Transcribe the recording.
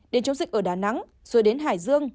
đến chống dịch ở đà nẵng rồi đến hải dương